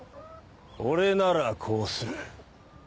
俺ならこうする。